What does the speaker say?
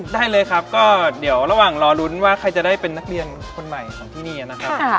ได้เลยครับก็เดี๋ยวระหว่างรอลุ้นว่าใครจะได้เป็นนักเรียนคนใหม่ของที่นี่นะครับ